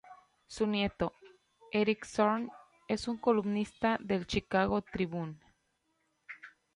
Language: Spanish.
Su nieto, Eric Zorn, es un columnista del Chicago Tribune